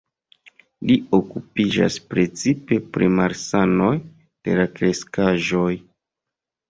Li okupiĝas precipe pri malsanoj de la kreskaĵoj.